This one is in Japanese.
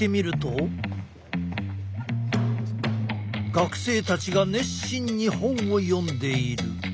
学生たちが熱心に本を読んでいる。